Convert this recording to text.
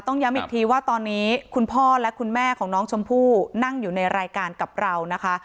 ย้ำอีกทีว่าตอนนี้คุณพ่อและคุณแม่ของน้องชมพู่นั่งอยู่ในรายการกับเรานะคะ